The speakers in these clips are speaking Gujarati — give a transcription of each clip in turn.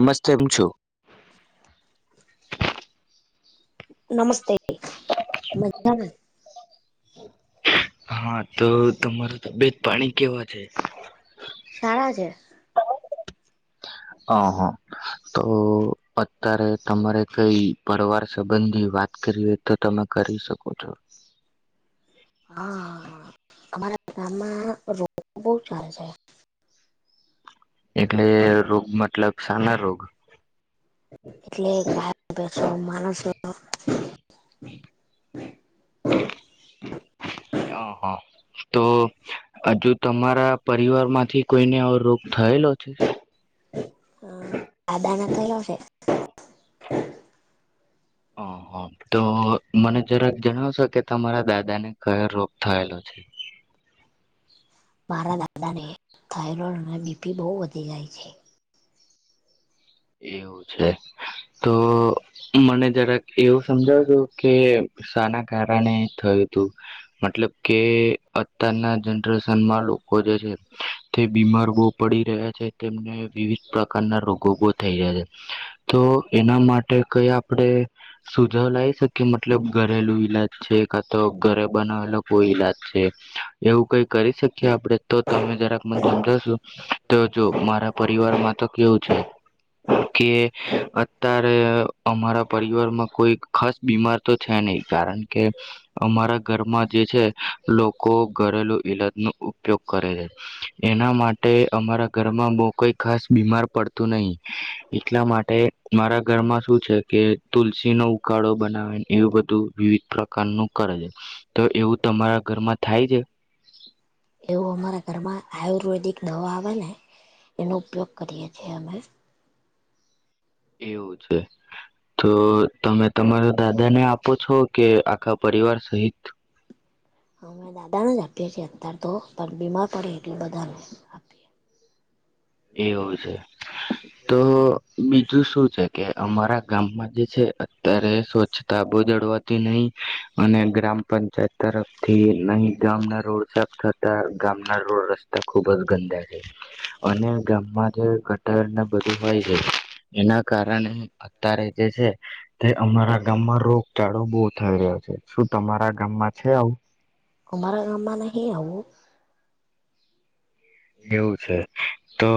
નમસ્તે [unintelligible] છો? નમસ્તે. મજામા. [inaudible] સારા છે અહ હ તો હા. એટલે રોગ મત એટલે [unintelligible] માણસો હા, હા. તો હજુ તમારા પરિવાર માંથી કોઈને આવો રોગ થયેલો છે? દાદાને થયો છે હા. તો મને જરાક જણાવશો કે, તમારા દાદા ને કયો રોગ થયેલો છે? મારા દાદાને થાઇરોઇડ અને બીપી બો વધી જાય છે. એવું છે. તો મને જરાક એવું સમજાવતો કે, શાના કારણે થયું હતું. મતલબ કે, અત્યારના જનરેશનમાં લોકો જે છે, તે બીમાર બો પડી રહ્યા છે, તેમને વિવિધ પ્રકારના રોગો બ થઈ જાય છે. તો એના માટે કઈ આપડે સુધ જો લાવ શકીએ મતલબ ઘરેલું ઈલાજ છે, કાતો ઘરે બનાવેલો કોઈ ઈલાજ છે, એવું કઈ કરી શકીએ આપડે તો તમે જરાક મને સમજાવશો, તો જો મારા પરિવારમાં તો કેવું છે કે, અત્યાર અરે અમારા પરિવારમાં કોઈ ખાસ બીમાર તો છે નઈ, કારણકે અમારા ઘરમાં જે છે લોકો ઘરેલું ઈલાજ ન ઉપયોગ કરે છે, એના માટે અમારા ઘરમાં બહ કોઈ ખાસ બીમાર પડતું નઈ. એટલા માટે મારા ઘરમાં શું છે, કે તુલસી નો ઉકાળો બનાવે એવું બધું વિવિધ પ્રકારનું કરે છે. તો એવું તમારા ઘરમાં થાય છે? એવું અમારા ઘરમાં આયુર્વેદિક દવા આવે ને એનો ઉપયોગ કરીએ છે, અમે. એવું છે. તો તમે તમારા દાદાને આપો છો, કે આખા પરિવાર સહિત? અ અમે દાદાને જ આપીએ છીએ અત્તાર તો, પણ બીમાર પડે એટલે બધાને આપીએ. એવું છે. તો બી શું છે, કે અમારા ગામમાં જે છે, અત્યારે સ્વચ્છતા બહુ જડવાતી નહીં, અને ગ્રામ પંચાયત તરફથી નહીં ગામના રોડ સાફ થતા, ગામના રોડ રસ્તા ખૂબ જ ગંદા છે. અને ગામમાં જે ક [unintelligible] ને બધું હોય છે, એના કારણે અત્તારે જે છે, તે અમારા ગામમાં રોગચાળો બહુ થઈ રહ્યો છે. શું તમારા ગામમાં છે આવું? અમારા ગામમાં નહીં આવું એવું છે. તો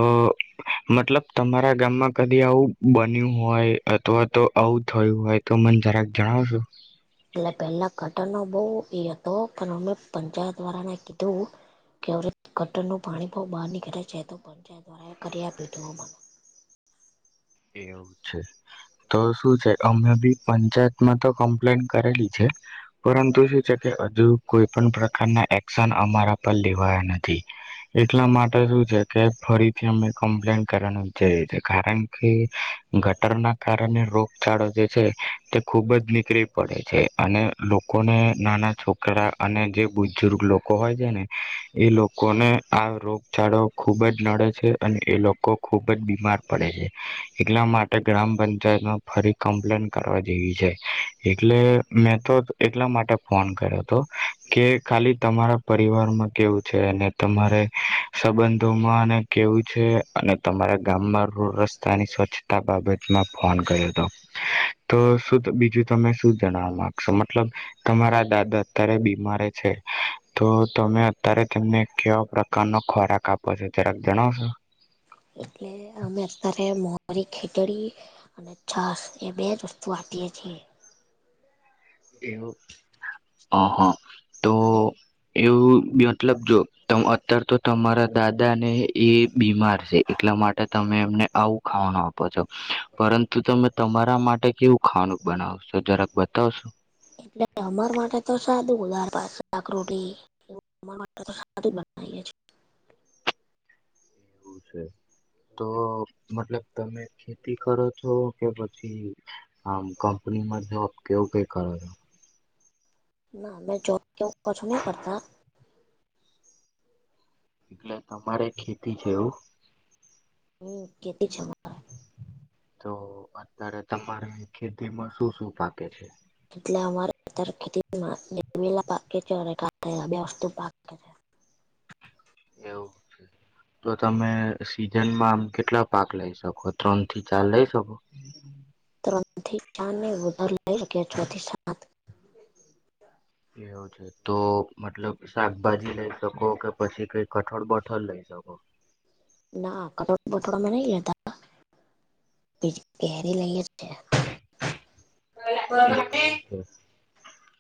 મતલબ તમારા ગામમાં કદી આવું બન્યું હોય. અથવા તો આવું થ હોયું હોય તો મને જરાક જણાવશો. એટલે પેલા કટરનો બઉ એ હતો પણ અમે પંચાયત વાળાને કીધું કે અવડે કટરનું પાણી બો બહાર નીકળે છે, તો પંચાયત વાળા એ કરી આપીયુ તું. એવું છે, તો શું છે, અમે બી પંચાયતમાં તો કમ્પ્લેન કરેલી છે. પરંતુ શું છે કે અજુ કોઈ પણ પ્રકારના એક્શન અમારા પર લેવાયા નથી. એટલા માટે શું છે, કે ફરીથી અમે કમ્પ્લેન કરવાનું વિચાર્યુ છે. કારણ કે કે ગટરના કારણે રોગચાળો જે છે તે ખૂબ જ નીકળી પડે છે. અને લોકોને નાના છોક કરા અને જે બુઝ બુજુર્ગ લોકો હોય છે ને, એ લોકોને આ રોગ ચાળો ખૂબ જ નડે છે. અને એ લોકો ખુબજ બીમાર પડે છે. એટલા માટે ગ્રામ પંચાયતમાં ફરી કમ્પ્લેન કરવા જેવી છે. એટલે મેં તો એટલા માટે ફોન કર્યો હતો કે ખાલી તમારા પરિવારમાં કેવું છે અને તમારે સંબંધોમાં અને કેવું છે. અને તમારા ગામમાં ર રસ્તા. તાની સ્વચ્છતા બાબતમાં ફોન કર્યો હતો, તો બીજું તમે શું જણવા માંગશો, મતલબ તમારા દાદા અત્યારે બીમારે છે, તો તમે અત્યારે તેમને કેવા પ્રકારનો ખોરાક આપો છો, જરાક જણાવશો? એટલે અમે અત્યારે મોરી ખીચડી અને છાસ એ બેજ વસ્તુ આપીએ છીએ. એવુ અહ હા. તો અને એવું મતલબ જો, અત્યારે તો તમારા દાદા ને એ બીમાર છે, એટલા માટે તમે એમને આવું ખાવાનું આપો છો. પરંતુ તમે તમારા માટે કેવું ખાવાનું બનાવશો, જરાક બતાવશો? એટલે અમાર માટે તો સાદું ઉાર પાાકરોટી અ [unintelligible] એવું છે, તો મતલબ તમે ખેતી કરો છો, કે પછી આમ કંપનીમાં જોબ કેવું કઈ કરો છો? ના મે જોબ કેવું કછું ના કરતા. એટલે તમારે ખેતી છે, એવું? હમ્મ ખેતી છે, અમારે. તો, અત્યારે તમારે ખેતીમાં શું શું પાકે છે? એટલે અમારે ત્યાર ખેતીમાં નિમુડા પાકે છે [inaudible] બે વસ્તુ આપે છે. એવું છે. તો તમે સીઝનમાં આમ કેટલા પાક લઈ શકો? ત્રણ થી ચાર લઈ શકો? ત્રન થી ચારને વધાર હોય એટલે છ થી સાત. એવું છે. તો મતલબ શાકભાજી લઈ શકો કે પછી કઈ કઠોળ બઠર લઈ શકો? ના કટોળ [unintelligible] તે જ પેરી લઈએ. છે [inaudible] [unintelligible]